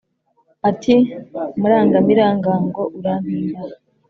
Ati: "Murangamirangango, urampimbaye,